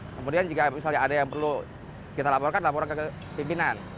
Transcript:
kemudian jika misalnya ada yang perlu kita laporkan laporan ke pimpinan